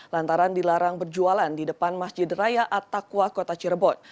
lantaran dilarang berjualan di depan masjid raya atakwa kota cirebon